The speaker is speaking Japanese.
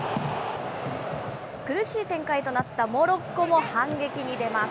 苦しい展開となったモロッコも反撃に出ます。